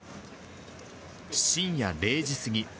深夜０時過ぎ。